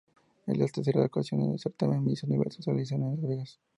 Es la tercera ocasión que el certamen "Miss Universo" se realiza en Las Vegas.